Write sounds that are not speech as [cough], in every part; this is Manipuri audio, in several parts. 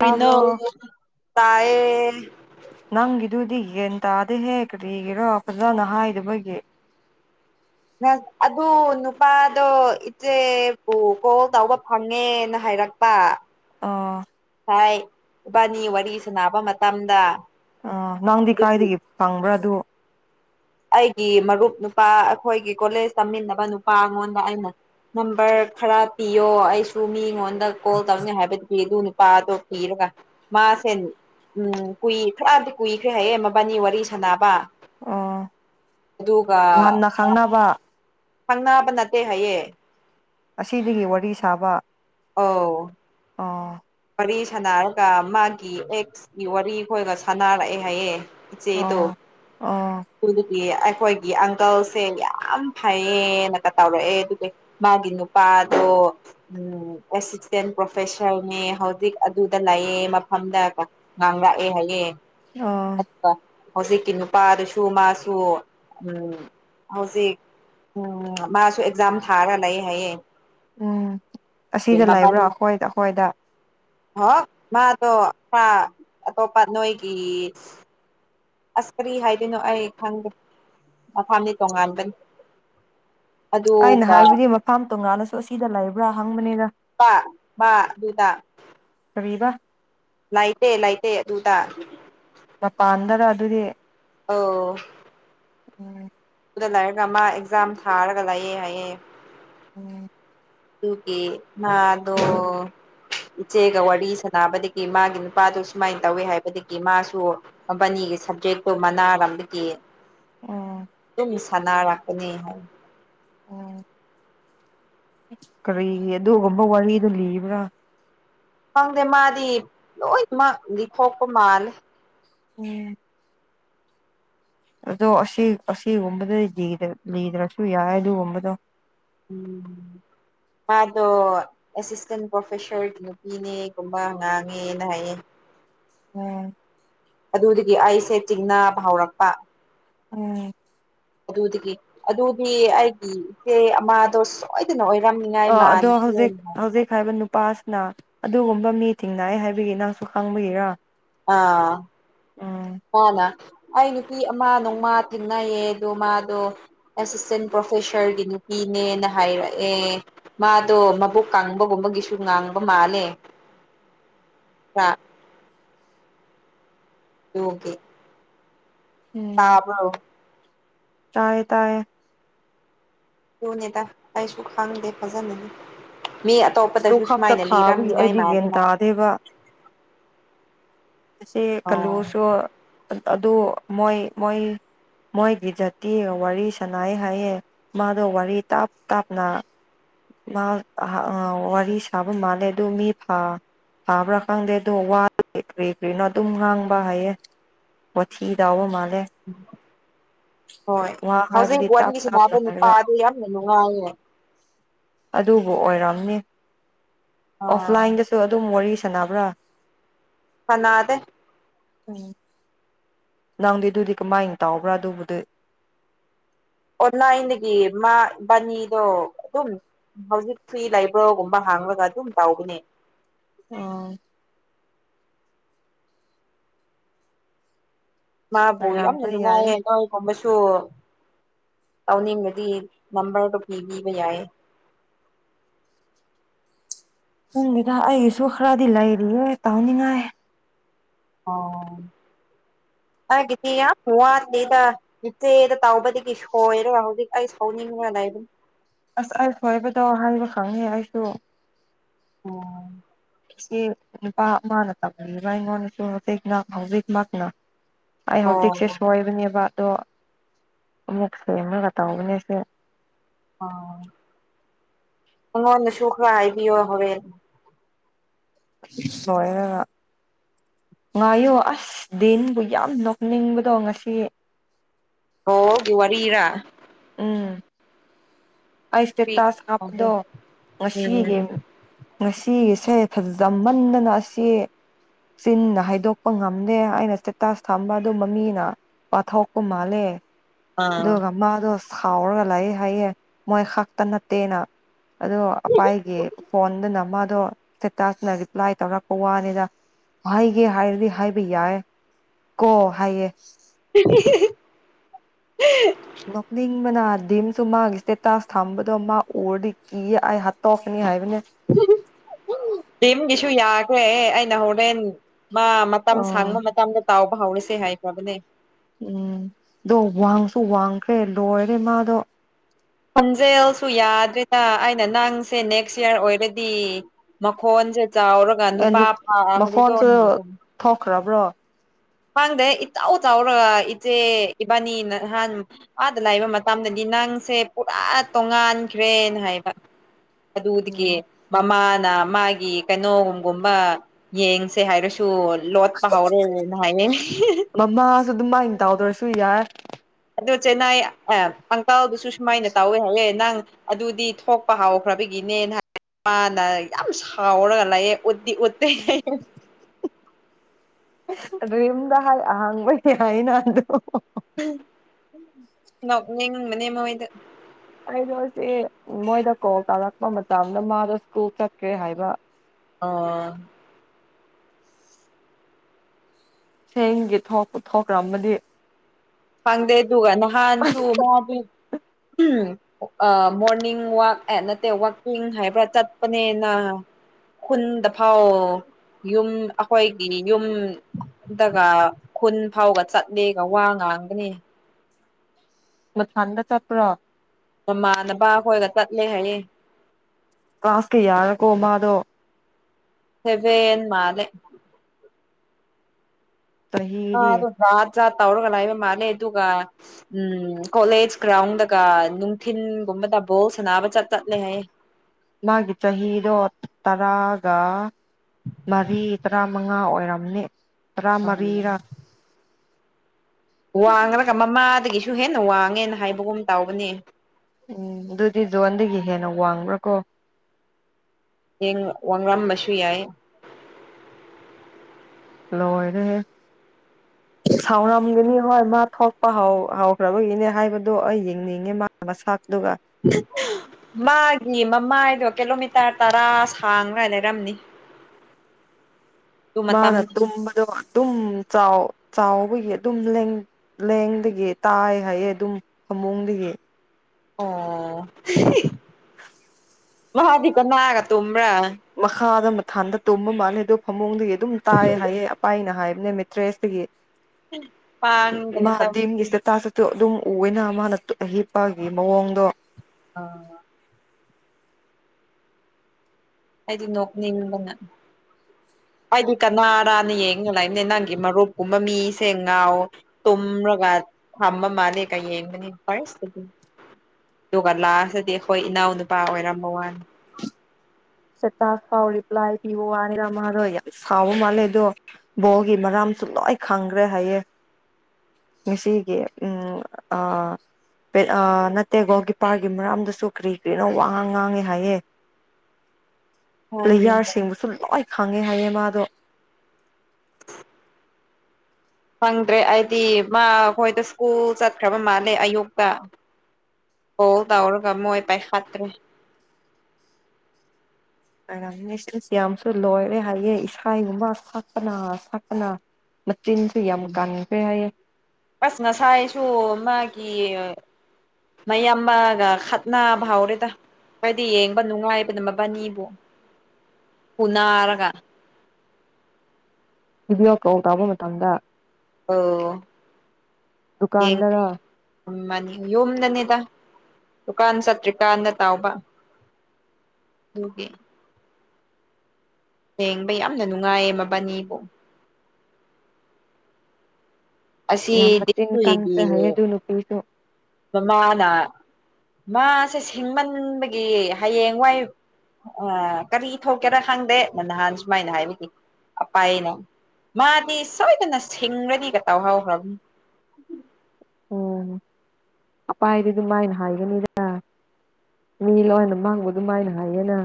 ꯇꯥꯕ꯭ꯔꯣ ꯇꯥꯏꯌꯦ ꯅꯪꯒꯤꯗꯨꯗꯤ ꯒ꯭ꯌꯥꯟ ꯇꯥꯗꯦꯍꯦ ꯀꯔꯤꯒꯤꯔꯣ ꯐꯖꯅ ꯍꯥꯏꯗꯕꯒꯤ ꯑꯗꯨ ꯅꯨꯄꯥꯗꯣ ꯏꯆꯦꯕꯨ ꯀꯣꯜ ꯇꯧꯕ ꯐꯪꯉꯦꯅ ꯍꯥꯏꯔꯛ ꯄꯥ ꯑꯣ ꯍꯥꯏ ꯏꯕꯥꯅꯤ ꯋꯥꯔꯤ ꯁꯅꯥꯕ ꯃꯇꯝꯗ ꯑ ꯅꯪꯗꯤ ꯑꯗꯨꯒꯤ ꯀꯥꯏꯗꯒꯤ ꯐꯪꯕ꯭ꯔꯥ ꯑꯗꯨ ꯑꯩꯒꯤ ꯃꯔꯨꯞ ꯅꯨꯄꯥ ꯑꯩꯈꯣꯏꯒꯤ ꯀꯣꯂꯦꯖ ꯇꯝꯃꯤꯟꯅꯕ ꯅꯨꯄꯥ ꯑꯩꯉꯣꯟꯗ ꯑꯩꯅ ꯅꯝꯕꯔ ꯈꯔ ꯄꯤꯌꯣ ꯑꯩꯁꯨ ꯃꯤꯉꯣꯟꯗ ꯀꯣꯜ ꯇꯧꯅꯤ ꯍꯥꯏꯕꯗꯨ ꯑꯗꯨ ꯄꯥ ꯗꯣ ꯄꯤꯔꯒ ꯃꯥꯁꯦ ꯎꯝ ꯀꯨꯏ ꯈꯔꯗꯤ ꯀꯨꯏꯈ꯭ꯔꯦ ꯍꯥꯏꯌꯦ ꯃꯕꯥꯅꯤ ꯋꯥꯔꯤ ꯁꯥꯟꯅꯕ ꯑꯣ ꯑꯗꯨꯒ UNINTELLIGIBLE ꯈꯪꯅꯕ ꯈꯪꯅꯕ ꯅꯠꯇꯦ ꯍꯥꯏꯌꯦ ꯑꯁꯤꯗꯒꯤ ꯋꯥꯔꯤ ꯁꯥꯕ ꯑꯣ ꯑꯣ ꯋꯥꯔꯤ ꯁꯥꯟꯅꯔꯒ ꯃꯥꯒꯤ ꯑꯦꯛꯁꯀꯤ ꯋꯥꯔꯤ ꯈꯣꯏꯒ ꯁꯥꯟꯅꯔꯛꯑꯦ ꯍꯥꯏꯌꯦ ꯆꯦꯗꯣ ꯑꯥ ꯑꯥ ꯗꯨꯗꯨꯒꯤ ꯑꯩꯈꯣꯏꯒꯤ ꯑꯪꯀꯜꯁꯦ ꯌꯥꯝ ꯐꯩꯌꯦꯅꯒ ꯇꯧꯔꯛꯑꯦ ꯑꯗꯨꯒꯤ ꯃꯥꯒꯤ ꯅꯨꯄꯥꯗꯣ ꯎꯝ ꯑꯦꯁꯤꯁꯇꯦꯟ ꯄ꯭ꯔꯣꯐꯦꯁꯔꯅꯦ ꯍꯧꯖꯤꯛ ꯑꯗꯨꯗ ꯂꯩꯌꯦ ꯃꯐꯝꯗ ꯉꯥꯡꯂꯛꯑꯦ ꯍꯥꯏꯌꯦ ꯑꯣ ꯍꯧꯖꯤꯛꯀꯤ ꯅꯨꯄꯥꯗꯨꯁꯨ ꯃꯥꯁꯨ ꯎꯝ ꯍꯧꯖꯤꯛ ꯎꯝ ꯃꯥꯁꯨ ꯑꯦꯛꯖꯥꯝ ꯊꯥꯔ ꯂꯩ ꯍꯥꯏꯌꯦ ꯎꯝ ꯑꯁꯤꯗ ꯂꯩꯕ꯭ꯔꯥ ꯃꯕꯥꯅꯤ ꯑꯈꯣꯏꯗ ꯑꯈꯣꯏꯗ ꯍꯣ ꯃꯥꯗꯣ ꯄꯥ ꯑꯇꯣꯞꯄ ꯅꯣꯏꯒꯤ ꯑꯁ ꯀ꯭ꯔꯤ ꯍꯥꯏꯗꯣꯏꯅꯣ ꯑꯩ ꯈꯪꯗꯦ ꯃꯐꯝꯗꯤ ꯇꯣꯉꯥꯟꯕꯅꯤ ꯑꯩꯅ ꯑꯗꯨꯒ ꯍꯥꯏꯕꯗꯤ ꯃꯐꯝ ꯇꯣꯉꯥꯟꯂꯁꯨ ꯑꯁꯤꯗ ꯂꯩꯕ꯭ꯔꯥ ꯍꯪꯕꯅꯤꯗ ꯄꯥ ꯃꯥ ꯑꯗꯨꯗꯥ ꯀꯔꯤꯕꯥ ꯂꯥꯏꯇꯦ ꯂꯥꯏꯇꯦ ꯑꯗꯨꯇ ꯃꯄꯥꯟꯗꯔꯥ ꯑꯗꯨꯗꯤ ꯑꯧ ꯎꯝ ꯗꯨꯗ ꯂꯥꯏꯔꯒ ꯃꯥ ꯑꯦꯛꯖꯥꯝ ꯊꯥꯔꯒ ꯂꯥꯏꯑꯦ ꯍꯥꯏꯌꯦ ꯎꯝ ꯗꯨꯀꯤ ꯃꯥꯗꯣ ꯏꯆꯦꯒ ꯋꯥꯔꯤ ꯁꯥꯅꯕꯗꯒꯤ ꯃꯥꯒꯤ ꯅꯨꯄꯥꯗꯣ ꯁꯨꯃꯥꯏꯅ ꯇꯧꯋꯦ ꯍꯥꯏꯕꯗꯒꯤ ꯃꯥꯁꯨ ꯃꯕꯥꯅꯤꯒꯤ ꯁꯕꯖꯦꯛꯇꯣ ꯃꯥꯟꯅꯥꯔꯝꯕꯒꯤ ꯎꯝ ꯗꯨꯝ ꯁꯥꯟꯅꯔꯛꯄꯅꯦ ꯍꯥꯏ ꯎꯝ ꯀꯔꯤꯒꯤ ꯑꯗꯨꯒꯨꯝꯕ ꯋꯥꯔꯤꯗꯨ ꯂꯤꯕ꯭ꯔꯥ ꯈꯪꯗꯦ ꯃꯥꯗꯤ ꯂꯣꯏꯅꯃꯛ ꯂꯤꯊꯣꯛꯄ ꯃꯥꯂꯦ ꯎꯝ ꯑꯗꯣ ꯑꯁꯤ ꯑꯁꯤꯒꯨꯝꯕꯗ ꯂꯤꯗꯔ ꯂꯤꯗ꯭ꯔꯁꯨ ꯌꯥꯏ ꯑꯗꯨꯒꯨꯝꯕꯗꯣ ꯎꯝ ꯃꯥꯗꯣ ꯑꯦꯁꯤꯁꯇꯦꯟ ꯄ꯭ꯔꯣꯐꯦꯁꯔꯒꯤ ꯅꯨꯄꯤꯅꯦꯒꯨꯝꯕ ꯉꯥꯡꯉꯦꯅ ꯍꯥꯏꯌꯦ ꯎꯝ ꯑꯗꯨꯗꯒꯤ ꯑꯩꯁꯦ ꯆꯤꯡꯅꯥꯕ ꯍꯧꯔꯛꯄ ꯎꯝ ꯑꯗꯨꯗꯒꯤ ꯑꯗꯨꯗꯤ ꯑꯩꯒꯤ ꯏꯆꯦ ꯑꯃꯗꯣ ꯁꯣꯏꯗꯅ ꯑꯣꯏꯔꯝꯅꯤꯉꯥꯏ ꯑ ꯑꯗꯣ ꯃꯥꯟꯕ ꯍꯧꯖꯤꯛ [unintelligible] ꯍꯧꯖꯤꯛ ꯍꯥꯏꯕ ꯅꯨꯄꯥꯁꯤꯅ ꯑꯗꯨꯒꯨꯝꯕ ꯃꯤ ꯊꯤꯡꯅꯌꯦ ꯍꯥꯏꯕꯒꯤ ꯅꯪꯁꯨ ꯈꯥꯡꯕꯒꯤꯔꯥ ꯑꯥ ꯎ ꯃꯥꯅ ꯑꯩ ꯅꯨꯄꯤ ꯑꯃ ꯅꯣꯡꯃꯥ ꯊꯤꯡꯅꯩꯌꯦ ꯑꯗꯣ ꯃꯥꯗꯣ ꯑꯦꯁꯤꯁꯇꯦꯟ ꯄ꯭ꯔꯣꯐꯦꯁꯔꯒꯤ ꯅꯨꯄꯤꯅꯦꯅ ꯍꯥꯏꯔꯛꯑꯦ ꯃꯥꯗꯣ ꯃꯕꯨꯛ ꯀꯪꯕꯒꯨꯝꯕꯒꯤꯁꯨ ꯉꯥꯡꯕ ꯃꯥꯜꯂꯦ [unintelligible] ꯂꯤꯑꯣꯀꯦ ꯎꯝ ꯇꯥꯕ꯭ꯔꯣ ꯇꯥꯏꯌꯦ ꯇꯥꯏꯌꯦ ꯗꯨꯅꯦꯗ ꯑꯩꯁꯨ ꯈꯪꯗꯦ ꯐꯖꯅꯗꯤ ꯃꯤ ꯑꯇꯣꯞ ꯄꯗꯁꯨ ꯁꯨꯃꯥꯏꯅ ꯂꯤꯔꯝꯅꯤꯉꯥꯏ ꯃꯥꯜꯂꯦ ꯃꯥ ꯗꯦꯕ ꯑꯁꯤ ꯑꯣ ꯀꯜꯂꯨꯁꯨ ꯑ ꯑꯗꯨ ꯃꯣꯏ ꯃꯣꯏ ꯃꯣꯏꯒꯤ ꯖꯥꯇꯤꯒ ꯋꯥꯔꯤ ꯁꯥꯅꯥꯏ ꯍꯥꯏꯌꯦ ꯃꯥꯗꯣ ꯋꯥꯔꯤ ꯇꯥꯞ ꯇꯥꯞꯅ ꯃꯥ ꯑꯍ ꯑ ꯋꯥꯔꯤ ꯁꯥꯕ ꯃꯥꯜꯂꯦ ꯑꯗꯨ ꯃꯤ ꯑ ꯁꯥꯕ꯭ꯔꯥ ꯈꯪꯗꯦ ꯑꯗꯨ ꯋꯥ ꯀ꯭ꯔꯤ ꯀ꯭ꯔꯤꯅꯣ ꯑꯗꯨꯝ ꯉꯥꯡꯕ ꯍꯩꯌꯦ ꯋꯥꯊꯤ ꯇꯥꯎꯕ ꯃꯥꯜꯂꯦ ꯍꯣꯏ ꯋꯥ ꯍꯥꯏꯕꯗꯤ ꯍꯧꯖꯤꯛ ꯇꯥꯞ ꯋꯥꯔꯤ ꯁꯥꯟꯅꯥꯕ ꯇꯥꯞꯅ ꯍꯥꯏꯔꯒ ꯅꯨꯄꯥꯗꯨ ꯌꯥꯝꯅ ꯅꯨꯡꯉꯥꯏꯌꯦ ꯑꯗꯨꯕꯨ ꯑꯣꯏꯔꯝꯅꯤ ꯑꯣ ꯑꯣꯐꯂꯥꯏꯟꯗ ꯇꯣ ꯑꯗꯨꯝ ꯋꯥꯔꯤ ꯁꯥꯟꯅꯕ꯭ꯔꯥ ꯁꯥꯟꯅꯥꯗꯦ ꯎꯝ ꯅꯪꯗꯤ ꯑꯗꯨꯗꯤ ꯀꯃꯥꯏꯅ ꯇꯥꯎꯕ꯭ꯔꯥ ꯑꯗꯨꯕꯨꯗꯤ ꯑꯣꯟꯂꯥꯏꯟꯗꯒꯤ ꯃꯥ ꯏꯕꯥꯅꯤꯗꯣ ꯑꯗꯨꯝ ꯍꯧꯖꯤꯛ ꯐ꯭ꯔꯤ ꯂꯩꯕ꯭ꯔꯣꯒꯨꯝꯕ ꯍꯥꯡꯂꯒ ꯑꯗꯨꯝ ꯇꯧꯕꯅꯦ ꯑꯣ ꯃꯥꯕꯨ ꯌꯥꯝꯅ ꯑꯣꯏꯔꯝꯕ ꯌꯥꯏ ꯅꯨꯡꯉꯥꯏꯌꯦꯀꯣ ꯍꯝꯕꯁꯨ ꯇꯧꯅꯤꯡꯔꯗꯤ ꯅꯝꯕꯔꯗꯣ ꯄꯤꯕꯤꯕ ꯌꯥꯏꯌꯦ ꯈꯪꯗꯦꯗ ꯑꯩꯒꯤꯁꯨꯨ ꯈꯔꯗꯤ ꯂꯩꯔꯤꯌꯦ ꯇꯥꯎꯅꯤꯉꯥꯏ ꯑꯣ ꯑꯩꯒꯤꯗꯤ ꯌꯥꯝ ꯋꯥꯠꯂꯤꯗ ꯏꯆꯦꯗ ꯇꯧꯕꯗꯒꯤ ꯁꯣꯏꯔꯣ ꯍꯧꯖꯤꯛ ꯑꯩ ꯁꯥꯎꯅꯤꯡꯗꯅ ꯂꯩꯕꯅꯤ ꯑꯁ ꯑꯩ ꯁꯣꯏꯕꯗꯣ ꯍꯥꯏꯕ ꯈꯪꯉꯦ ꯑꯩꯁꯨ ꯑꯣ ꯏꯇꯦ ꯅꯨꯄꯥ ꯑꯃꯥꯅ ꯇꯝꯕꯤꯕ ꯑꯩꯉꯣꯟꯗꯁꯨ ꯍꯧꯖꯤꯛꯅ ꯍꯧꯖꯤꯛꯃꯛꯅ ꯑꯩ ꯑꯣ ꯍꯧꯖꯤꯛꯁꯦ ꯑꯣ ꯁꯣꯏꯕꯅꯦꯕ ꯑꯗꯣ ꯑꯃꯨꯛ ꯁꯦꯝꯔꯒ ꯇꯧꯕꯅꯦꯁꯦ ꯑꯣ ꯑꯩꯉꯣꯟꯗꯁꯨ ꯈꯔ ꯍꯥꯏꯕꯤꯌꯣ ꯍꯣꯔꯦꯟ ꯂꯣꯏꯔꯒ ꯉꯥꯏꯌꯨ ꯑꯁ ꯗꯤꯟꯕꯨ ꯌꯥꯝ ꯅꯣꯛꯅꯤꯡꯕꯗꯣ ꯉꯁꯤ ꯑꯣꯒꯤ ꯋꯥꯔꯤꯔꯥ ꯎꯝ ꯑꯩ ꯏꯁꯇꯦꯇꯥꯁ ꯍꯥꯞꯄꯗꯣ ꯉꯁꯤ ꯎꯝ ꯌꯦꯡ ꯉꯁꯤꯁꯦ ꯐꯖꯃꯟꯗꯅ ꯑꯁꯤ ꯆꯤꯟꯅ ꯍꯥꯏꯗꯣꯛꯄ ꯉꯝꯗꯦ ꯑꯩꯅ ꯏꯁꯇꯦꯇꯥꯁ ꯊꯝꯕ ꯑꯗꯨꯝꯕ ꯃꯤꯅ ꯄꯥꯊꯣꯛꯄ ꯃꯥꯜꯂꯦ ꯑꯥ ꯑꯗꯨꯒ ꯃꯥꯗꯣ ꯁꯥꯎꯔꯒ ꯂꯩꯍꯦ ꯍꯥꯏꯌꯦ ꯃꯣꯏ ꯈꯥꯛꯇ ꯅꯠꯇꯦꯅ ꯑꯗꯣ ꯑꯄꯥꯏꯒꯤ ꯐꯣꯟꯗꯅ ꯃꯥꯗꯣ ꯏꯁꯇꯦꯇꯥꯂꯅ ꯔꯤꯄ꯭ꯂꯥꯏ ꯇꯧꯔꯛꯄ ꯋꯥꯅꯤꯗ ꯍꯥꯏꯒꯦ ꯍꯥꯏꯔꯗꯤ ꯍꯥꯏꯕ ꯌꯥꯏ ꯀꯣ ꯍꯥꯏꯌꯦ [unintelligible] ꯅꯣꯛꯅꯤꯡꯕꯅ ꯗꯤꯝꯁꯨ ꯃꯥꯒꯤ ꯏꯁꯇꯦꯇꯥꯁ ꯊꯝꯕꯗꯣ ꯃꯥ ꯎꯔꯗꯤ ꯀꯤꯌꯦ ꯑꯩ ꯍꯥꯠ ꯇꯣꯛꯀꯅꯤ ꯍꯥꯏꯕꯅꯦ ꯇꯤꯝꯒꯤꯁꯨ ꯌꯥꯗ‌ꯦ ꯑꯦ ꯑꯩꯅ ꯍꯣꯔꯦꯟ ꯃꯥ ꯃꯇꯝ ꯑꯣ ꯁꯥꯡꯕ ꯎꯝ ꯃꯇꯝꯗ ꯇꯥꯎꯕ ꯍꯧꯔꯁꯦ ꯍꯥꯏꯈ꯭ꯔꯕꯅꯦ ꯎꯝ ꯑꯗꯣ ꯋꯥꯡꯁꯨ ꯋꯥꯡꯈ꯭ꯔꯦ ꯂꯣꯏꯔꯦ ꯃꯥꯗꯣ ꯈꯟꯖꯦꯜꯁꯨ ꯌꯥꯗ꯭ꯔꯦꯗ ꯑꯩꯅ ꯅꯪꯁꯦ ꯅꯦꯛꯁ ꯏꯌꯥꯔ ꯑꯣꯏꯔꯗꯤ ꯃꯈꯣꯟꯁꯦ ꯆꯥꯎꯔꯒ ꯑꯦ ꯅꯨꯄꯥ ꯄꯑ ꯃꯈꯣꯟꯁꯨ ꯊꯣꯛꯈ꯭ꯔꯕ꯭ꯔꯣ ꯐꯥꯡꯗꯦ ꯏꯇꯥꯎ ꯇꯥꯎꯔꯒ ꯏꯆꯦ ꯏꯕꯥꯅꯤ ꯅ ꯅꯍꯥꯟ ꯑꯥꯗ ꯂꯥꯛꯏꯕ ꯃꯇꯝꯗꯗꯤ ꯅꯪꯁꯦ ꯄꯨꯔꯥ ꯇꯣꯉꯥꯟꯈ꯭ꯔꯦꯅ ꯍꯥꯏꯕ ꯎꯝ ꯑꯗꯨꯗꯒꯤ ꯃꯃꯥꯅ ꯃꯥꯒꯤ ꯀꯩꯅꯣꯒꯨꯝꯒꯨꯝꯕ ꯌꯦꯡꯁꯤ ꯁꯦ ꯍꯥꯏꯔꯁꯨ ꯂꯣꯠꯄ ꯍꯧꯔꯦꯅ ꯍꯥꯏꯅꯩꯅꯦ ꯃꯃꯥꯁꯨ ꯑꯗꯨꯝ ꯃꯥꯏꯟ ꯇꯥꯎꯗ꯭ꯔꯁꯨ ꯌꯥꯏ ꯑꯗꯣ ꯆꯦꯟꯅꯥꯏ ꯑ‌ ꯄꯪꯇꯧꯗꯨꯁꯨ ꯁꯨꯃꯥꯏꯅ ꯇꯧꯋꯦ ꯍꯥꯏꯌꯦꯏ ꯅꯪ ꯑꯗꯨꯗꯤ ꯊꯣꯛꯄ ꯍꯥꯎꯈ꯭ꯔꯕꯒꯤꯅꯦꯅ ꯃꯥꯅ ꯌꯥꯝ ꯁꯥꯎꯔꯒ ꯂꯥꯏꯌꯦ ꯑꯨꯠꯗꯤ ꯑꯨꯠꯇ‌ꯦ ꯑꯗꯨꯔꯤꯝꯗ ꯍꯥꯏ ꯑꯍꯥꯡꯕꯒꯤ ꯍꯥꯏ ꯅꯗ ꯅ‌ꯣꯛꯅꯤꯡꯕꯅꯦ ꯃ ꯍꯣꯏꯗ ꯑꯩꯩꯗ‌ꯣꯅꯁꯤ ꯃꯣꯏꯗ ꯀꯣꯜ ꯇꯥꯔꯛꯄ ꯃꯇꯝꯗ ꯃꯥꯗ ꯁ꯭ꯀꯨꯜ ꯆꯠꯀ꯭ꯔꯦ ꯍꯥꯏꯕ ꯑꯣ ꯁꯦꯡꯒꯤ ꯊꯣꯛꯄ ꯊꯣꯛꯈ꯭ꯔ ꯑꯃꯗꯤ ꯐꯪꯗꯦ ꯑꯗꯨꯒ ꯅꯍꯥꯟꯁꯨ ꯃꯥꯗꯤ ꯎ ꯑ ꯃꯣꯔꯅꯤꯡ ꯋꯥꯛ ꯑꯦ ꯅꯠꯇꯦ ꯋꯥꯛꯀꯤꯡ ꯍꯥꯏꯕ꯭ꯔꯥ ꯆꯠꯄꯅꯦꯅ ꯈꯨꯟꯗ ꯐꯥꯎ ꯌꯨꯝ ꯑꯩꯈꯣꯏꯒꯤ ꯌꯨꯝ ꯑꯗꯨꯒꯒ ꯈꯨꯟ ꯐꯥꯎꯒ ꯆꯠꯂꯦꯒ ꯋꯥ ꯉꯥꯡꯒꯅꯤ ꯃꯊꯟꯗ ꯆꯠꯄ꯭ꯔꯣ ꯃꯃꯥꯟꯅꯕ ꯈꯣꯏꯒ ꯆꯠꯂꯦ ꯍꯥꯏꯌꯦ ꯀ꯭ꯂꯥꯁꯀ ꯌꯥꯔꯀꯣ ꯃꯥꯗꯣ ꯁꯦꯕꯦꯟ ꯃꯥꯟꯂ‌ꯦ ꯑ ꯑꯗꯨ ꯆꯍꯤꯗꯤ ꯖꯥꯠ ꯖꯥꯠ ꯇꯧꯔꯒꯂ ꯂꯩꯕ ꯃꯥꯂꯦ ꯑꯗꯨꯒ ꯎꯝ ꯀꯣꯂꯦꯖ ꯒ꯭ꯔꯥꯎꯟꯗꯒ ꯅꯨꯡꯊꯤꯤꯟꯒꯨꯝꯕꯗ ꯕꯣꯜ ꯁꯥꯟꯅꯕ ꯆꯠ ꯆꯠꯂꯦ ꯍꯥꯏꯌꯦ ꯃꯥꯒꯤ ꯆꯍꯤꯗꯣ ꯇꯔꯥꯒ ꯃꯔꯤ ꯇꯔꯥꯃꯉꯥ ꯑꯣꯏꯔꯝꯅꯤ ꯇꯔꯥꯃꯔꯤꯔꯥ ꯋꯥꯡꯉꯔꯒ ꯃꯃꯥꯗꯒꯤꯁꯨ ꯍꯦꯟꯅ ꯋꯥꯡꯉꯦꯅ ꯍꯥꯏꯕꯒꯨꯝ ꯇꯥꯎꯕꯅꯦ ꯎꯝ ꯑꯗꯨꯗꯤ ꯖꯣꯟꯗꯒꯤ ꯍꯦꯟꯅ ꯋꯥꯡꯕ꯭ꯔꯥꯀꯣ ꯂ‌ꯦꯡꯉ ꯋꯥꯡꯂꯝꯕꯁꯨ ꯌꯥꯏ ꯂꯣꯏꯔ‌ꯦꯍ‌ꯦ ꯁꯥꯎꯔꯝꯒꯅꯤ ꯍꯣꯏ ꯃꯥ ꯊꯣꯛꯄ ꯍꯧ ꯍꯧꯈ꯭ꯔꯕꯒꯤꯅꯦ ꯍꯥꯏꯕꯗ‌ꯣ ꯑꯩ ꯌꯦꯡꯅꯤꯡꯉꯦ ꯃꯥꯒꯤ ꯃꯁꯥꯛꯇꯨꯒ [inaudible] ꯃꯥꯒꯤ ꯃꯃꯥꯏꯗꯣ ꯀꯤꯂꯣꯃꯤꯇꯔ ꯇꯔꯥ ꯁꯥꯡꯅ ꯂꯩꯔꯝꯅꯤ ꯑꯗꯨ ꯃꯥꯅ ꯃꯇꯝꯗꯨꯗꯤ ꯇꯨꯝꯕ ꯑꯗꯣ ꯑꯗꯨꯝ ꯆꯥꯎ ꯆꯥꯎꯕꯒꯤ ꯑꯗꯨꯂ‌ꯦꯡ ꯂꯦꯡꯗꯒꯤ ꯇꯥꯏ ꯍꯥꯏꯌꯦ ꯑꯗꯨꯝ ꯐꯃꯨꯡꯗꯒꯤ ꯑꯣ ꯃꯥꯗꯤ ꯀꯅꯒ ꯇꯣꯝꯕ꯭ꯔꯥ ꯃꯈꯥꯗ ꯃꯊꯥꯟꯗ ꯇꯨꯝꯕ ꯃꯥꯜꯂꯦ ꯑꯗꯣ ꯐꯃꯨꯡꯗꯒꯤ ꯑꯗꯨꯝ ꯇꯥꯏꯌꯦ ꯍꯥꯏꯌꯦ ꯑꯄꯥꯏꯅ ꯍꯥꯏꯕꯅꯦ ꯇ꯭ꯔꯦꯁꯇꯒꯤ ꯃꯥ [unintelligible] ꯄꯥꯡꯗꯔꯦꯗ ꯃꯁꯤ [unintelligible] ꯑꯗꯨꯝ ꯎꯋꯦꯅ ꯃꯥꯅ ꯍꯤꯞꯄꯒꯤ ꯃꯑꯣꯡꯗꯣ ꯑꯥ ꯑꯩꯗꯤ ꯅꯣꯛꯅꯤꯡꯕꯅ ꯑꯩꯗꯤ ꯀꯅꯥꯔꯥꯅ ꯌꯦꯡꯉꯒ ꯂꯩꯕꯅꯦ ꯅꯪꯒꯤ ꯃꯔꯨꯞꯀꯨꯝꯕ ꯃꯤꯁꯦ ꯉꯥꯎ ꯇꯨꯝꯔꯒ ꯊꯝꯕ ꯃꯥꯜꯂꯦ ꯀꯩ ꯌꯦꯡꯒꯅꯤ ꯐꯔꯁ [unintelligible] ꯑꯗꯨꯒ ꯂꯥꯁꯇꯗꯤ ꯑꯩꯈꯣꯏ ꯏꯅꯥꯎ ꯅꯨꯄꯥ ꯑꯣꯏꯔꯝꯕ ꯋꯥꯅꯤ [unintelligible] ꯐꯥꯎ ꯔꯤꯄ꯭ꯂꯥꯏ ꯄꯤꯕ ꯋꯥꯅꯤꯗ ꯃꯥꯗꯣ ꯌꯥꯝ ꯁꯥꯎꯕ ꯃꯥꯜꯂꯦ ꯑꯗꯨ ꯕꯣꯜꯒꯤ ꯃꯔꯝꯁꯨ ꯂꯣꯏ ꯈꯪꯒ꯭ꯔꯦ ꯍꯥꯏꯌꯦ ꯉꯁꯤꯒꯤ ꯎꯝ ꯑꯥ [unintelligible] ꯑꯥ ꯅꯠꯇꯦ ꯒꯣꯜ ꯀꯤꯄ꯭ꯔꯒꯤ ꯃꯔꯝꯗꯁꯨ ꯀꯔꯤ ꯀꯔꯤꯅꯣ ꯋꯥ [unintelligible] ꯉꯥꯡꯉꯦ ꯍꯥꯏꯌꯦ ꯄ꯭ꯂꯦꯌꯥꯔ ꯁꯤꯡꯕꯨꯁꯨ ꯂꯣꯏ ꯈꯪꯉꯦ ꯍꯥꯏꯌꯦ ꯃꯥꯗꯣ ꯐꯪꯗ꯭ꯔꯦ ꯑꯩꯗꯤ ꯃꯥ ꯑꯩꯈꯣꯏꯗ ꯁ꯭ꯀꯨꯜ ꯆꯠꯈ꯭ꯔꯕ ꯃꯥꯜꯂꯦ ꯑꯌꯨꯛꯇ ꯀꯣꯜ ꯇꯧꯔꯒ ꯃꯣꯏ ꯄꯥꯏꯈꯠꯇ꯭ꯔꯤ [unintelligible] ꯌꯥꯝꯁꯨ ꯂꯣꯏꯔꯦ ꯍꯥꯏꯌꯦ ꯏꯁꯩꯒꯨꯝꯕ ꯁꯛꯄꯅ ꯁꯛꯄꯅ ꯃꯆꯤꯟꯁꯨ ꯌꯥꯝ ꯀꯟꯈ꯭ꯔꯦ ꯍꯥꯏꯌꯦ ꯑꯁ ꯉꯁꯥꯏꯁꯨ ꯃꯥꯒꯤ ꯃꯌꯥꯝꯕꯒ ꯈꯠꯅꯕ ꯍꯧꯔꯤꯗ [unintelligible] ꯌꯦꯡꯕ ꯅꯨꯡꯉꯥꯏꯕꯅ ꯃꯕꯥꯅꯤꯕꯨ ꯎꯅꯥꯔꯒ ꯕꯤꯗꯤꯌꯣ ꯀꯣꯜ ꯇꯧꯕ ꯃꯇꯝꯗ ꯑꯣ ꯗꯨꯀꯥꯟꯗꯔ [unintelligible] ꯎꯝ ꯃꯥꯅꯤ ꯌꯨꯝꯗꯅꯤꯗ ꯗꯨꯀꯥꯟ ꯆꯠꯇ꯭ꯔꯤꯀꯥꯟꯗ ꯇꯧꯕ ꯗꯨꯒꯤ ꯌꯦꯡꯕ ꯌꯥꯝꯅ ꯅꯨꯡꯉꯥꯏ ꯃꯕꯥꯅꯤꯕꯨꯨ ꯌꯥꯝ ꯑꯁꯤꯗꯤ ꯃꯆꯤꯟ ꯀꯟꯈ꯭ꯔꯦ ꯍꯥꯏꯌꯦ ꯑꯗꯨ ꯅꯨꯄꯤꯗꯨ [unintelligible] ꯃꯥꯅ ꯃꯥꯁꯦ ꯁꯤꯡꯃꯟꯕꯒꯤ ꯍꯌꯦꯡꯋꯥꯏ ꯑꯥ ꯀꯔꯤ ꯊꯣꯛꯀꯦꯔꯥ ꯈꯪꯗꯦ ꯅꯍꯥꯟ ꯁꯨꯃꯥꯏꯅ ꯍꯥꯏꯕꯒꯤ ꯑꯄꯥꯏ ꯑꯩꯅ ꯃꯥꯗꯤ ꯁꯣꯏꯗꯅ ꯁꯤꯡꯒꯅꯤꯒ ꯇꯧꯍꯧ [unintelligible] ꯑꯄꯥꯏꯕꯗꯤ ꯃꯥꯏꯅ ꯍꯥꯏꯒꯅꯤ ꯃꯤ ꯂꯣꯏꯅ ꯃꯥꯡꯕ ꯑꯗꯨꯃꯥꯏꯅ ꯍꯥꯏꯌꯦꯅ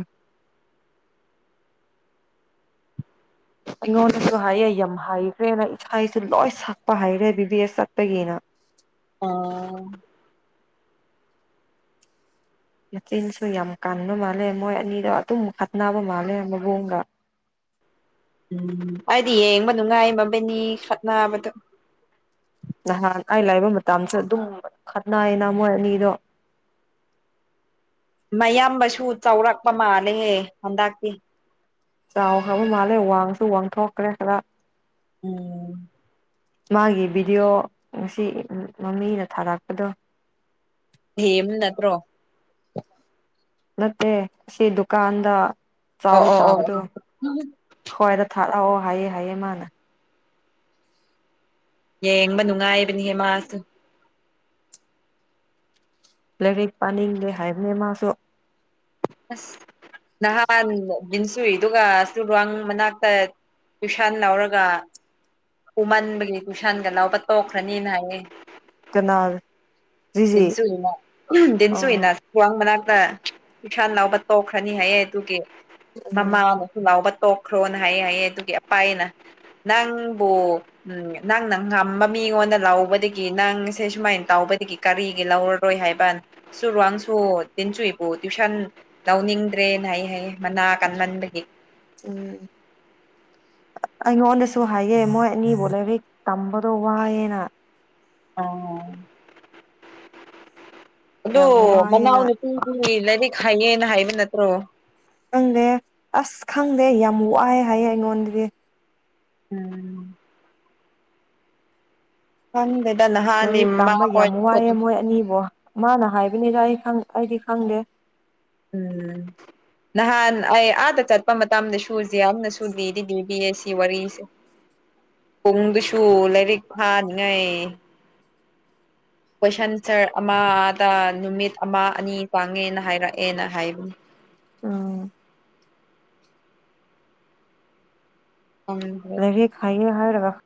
ꯑꯩꯉꯣꯟꯗꯁꯨ ꯍꯥꯏꯌꯦ ꯌꯥꯝ ꯍꯩꯈ꯭ꯔꯦꯅ ꯏꯁꯩꯁꯨ ꯂꯣꯏ ꯁꯛꯄ ꯍꯩꯔꯦ ꯕꯤ ꯕꯤ ꯑꯦꯁ ꯆꯠꯄꯒꯤꯅ ꯑꯣ ꯃꯆꯤꯟꯁꯨ ꯌꯥꯝ ꯀꯟꯕ ꯃꯥꯜꯂꯦ ꯃꯣꯏ ꯑꯅꯤꯗꯣ ꯑꯗꯨꯝ ꯈꯠꯅꯕ ꯃꯥꯜꯂꯦ ꯃꯕꯨꯡꯒ ꯎꯝ ꯑꯩꯗꯤ ꯌꯦꯡꯕ ꯅꯨꯡꯉꯥꯏ ꯃꯕꯥꯅꯤ ꯈꯠꯕꯗꯨ ꯅꯍꯥꯟ ꯑꯩ ꯂꯩꯕ ꯃꯇꯝꯁꯨ ꯑꯗꯨꯝ ꯈꯠꯅꯩꯅ ꯃꯣꯏ ꯑꯅꯤꯗꯣ ꯃꯌꯥꯝꯕꯁꯨ ꯆꯥꯎꯔꯛꯄ ꯃꯥꯜꯂꯦꯍꯦ ꯍꯟꯗꯛꯇꯤ ꯆꯥꯎꯈ꯭ꯔꯕ ꯃꯥꯜꯂꯦ ꯋꯥꯡꯁꯨ ꯋꯥꯡꯊꯣꯛꯈ꯭ꯔꯦ ꯈꯔ ꯎꯝ ꯃꯥꯒꯤ ꯚꯤꯗꯤꯌꯣ ꯉꯁꯤ ꯃꯃꯤꯅ ꯊꯥꯔꯛꯄꯗꯣ ꯗꯦꯝ ꯅꯠꯇ꯭ꯔꯣ ꯅꯠꯇꯦ ꯁꯤ ꯗꯨꯀꯥꯟꯗ ꯑꯣ ꯆꯥꯎ ꯑꯣ ꯑꯣ ꯆꯥꯕꯗꯨ ꯑꯣ [unintelligible] ꯍꯥꯏꯌꯦ ꯍꯥꯏꯌꯦ ꯃꯥꯅ ꯌꯦꯡꯕ ꯅꯨꯡꯉꯥꯏꯕꯅꯤꯍꯦ ꯃꯥꯁꯨ ꯂꯥꯏꯔꯤꯛ ꯄꯥꯅꯤꯡꯗꯦ ꯍꯥꯏꯕꯅꯤ ꯃꯥꯁꯨ ꯑꯁ ꯅꯍꯥꯟ [unintelligible] ꯑꯗꯨꯒ ꯃꯅꯥꯛꯇ ꯇꯨꯏꯁꯟ ꯂꯧꯔꯒ ꯎꯃꯟꯕꯒꯤ ꯀꯨꯏꯁꯟꯒ ꯂꯧꯕ ꯇꯣꯛꯈ꯭ꯔꯅꯤꯅ ꯍꯥꯏꯌꯦ ꯀꯅꯥꯜ ꯇꯤꯟꯁꯨꯏꯅ ꯎꯝ ꯑꯣ ꯗꯤꯟꯁꯨꯏꯅ ꯈ꯭ꯋꯥꯡ ꯃꯅꯥꯛꯇ ꯎꯏꯁꯥꯟ ꯂꯥꯎꯕ ꯇꯣꯛꯈ꯭ꯔꯅꯤ ꯍꯥꯏꯌꯦ ꯑꯗꯨꯒꯤ ꯎꯝ ꯃꯃꯥꯅ ꯂꯥꯎꯕ ꯇꯣꯛꯈ꯭ꯔꯣꯅ ꯍꯥꯏꯌꯦ ꯍꯥꯏꯌꯦ ꯑꯗꯨꯒꯤ ꯑꯄꯩꯅ ꯅꯪꯕꯨ ꯎꯝ ꯅꯪꯅ ꯉꯝꯕ ꯃꯤꯉꯣꯟꯗ ꯂꯧꯕꯗꯒꯤ ꯅꯪꯁꯦ ꯁꯨꯃꯥꯏꯅ ꯇꯧꯕꯗꯒꯤ ꯀꯔꯤꯒꯤ ꯂꯧꯔꯔꯣꯏ ꯍꯥꯏꯕ ꯁꯨꯔꯨ ꯋꯥꯡꯁꯨ ꯇꯤꯟ ꯆꯨꯏꯕꯨ ꯇꯨꯏꯁꯟ ꯂꯧꯅꯤꯡꯗ꯭ꯔꯦꯅ ꯍꯥꯏ ꯍꯥꯏꯌꯦ ꯃꯅꯥ ꯀꯟꯃꯟꯕꯒꯤ ꯎꯝ ꯑꯩꯉꯣꯟꯗꯁꯨ ꯍꯥꯏꯒꯦ ꯃꯣꯏ ꯑꯅꯤꯕꯨ ꯂꯥꯏꯕꯛ ꯇꯝꯕꯗꯣ ꯋꯥꯏꯌꯦꯅ ꯑ ꯑꯗꯣ ꯌꯥꯝ ꯋꯥꯏꯌꯦꯅ ꯃꯅꯥꯎꯅꯨꯄꯤꯒꯤ ꯂꯥꯏꯔꯤꯛ ꯍꯩꯌꯦꯅ ꯍꯥꯏꯕ ꯅꯠꯇ꯭ꯔꯣ ꯈꯪꯗꯦ ꯑꯁ ꯈꯪꯗꯦ ꯌꯥꯝ ꯋꯥꯏ ꯍꯥꯏꯌꯦ ꯑꯩꯉꯣꯟꯗꯗꯤ ꯎꯝ ꯈꯪꯗꯦꯗ ꯅꯍꯥꯟ ꯂꯥꯏꯔꯤꯛ ꯇꯝꯕ ꯌꯥꯝ ꯋꯥꯏꯌꯦ ꯃꯣꯏ ꯑꯅꯤꯕꯨ ꯃꯥꯅ ꯍꯥꯏꯕꯅꯤꯗ ꯑꯩ ꯈꯪ ꯑꯩꯗꯤ ꯈꯪꯗꯦ ꯎꯝ ꯅꯍꯥꯟ ꯑꯩ ꯑꯥꯗ ꯆꯠꯄ ꯃꯇꯝꯗꯁꯨ ꯖꯦꯝꯌꯝꯅꯁꯨ ꯂꯤꯗꯤ ꯂꯤꯕꯤꯌꯦ ꯁꯤ ꯋꯥꯔꯤ ꯄꯨꯡꯗꯨꯁꯨ ꯂꯥꯏꯔꯤꯛ ꯐꯥꯅꯤꯡꯉꯩ ꯀꯣꯏꯁꯟ ꯁꯔ ꯑꯃꯗ ꯅꯨꯃꯤꯠ ꯑꯃ ꯑꯅꯤ ꯄꯥꯡꯉꯦꯅ ꯍꯥꯏꯔꯛꯑꯦꯅ ꯍꯥꯏꯕꯅꯦ ꯑꯣ ꯈꯪꯗ꯭ꯔꯦ ꯂꯩꯔꯤꯛ ꯈꯥꯏꯌꯦ ꯍꯥꯏꯔꯒ